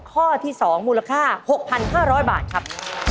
ข้อที่๒มูลค่า๖๕๐๐บาทครับ